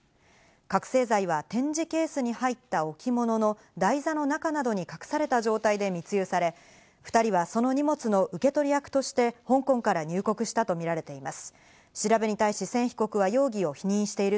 覚醒剤は展示ケースに入った置物の台座の中などに隠された状態で密輸され、２人はその荷物の受け取り役として香港から入国したとみられています。